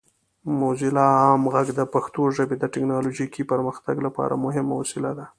موزیلا عام غږ د پښتو ژبې د ټیکنالوجیکي پرمختګ لپاره مهمه وسیله ده.